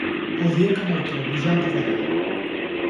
El dia que me’l trobi ja en parlarem.